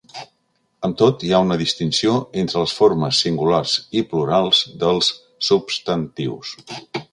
Amb tot, hi ha una distinció entre les formes singulars i plurals dels substantius.